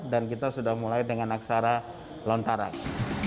dan kita sudah mulai dengan aksara lontarang